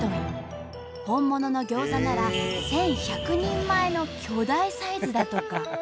本物のギョーザなら１，１００人前の巨大サイズだとか。